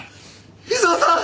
井沢さん！